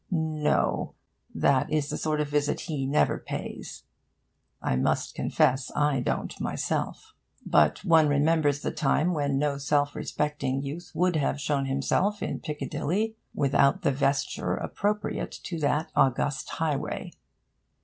No; that is the sort of visit he never pays. (I must confess I don't myself.) But one remembers the time when no self respecting youth would have shown himself in Piccadilly without the vesture appropriate to that august highway.